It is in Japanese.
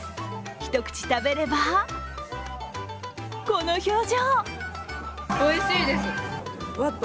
一口食べれば、この表情。